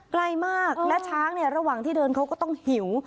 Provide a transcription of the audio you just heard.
ไกลมากและช้างเนี่ยระหว่างที่เดินเขาก็ต้องหิว